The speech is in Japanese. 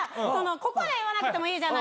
ここで言わなくてもいいじゃないですか。